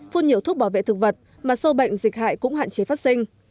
phun nhiều thuốc bảo vệ thực vật mà sâu bệnh dịch hại cũng hạn chế phát sinh